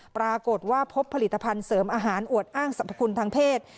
ปรากฏว่าพบผลิตภัณฑ์เสริมอาหารอวดอ้างสรรพคุณทางเพศ